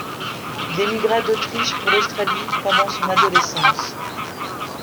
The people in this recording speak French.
Il émigra d'Autriche pour l'Australie pendant son adolescence.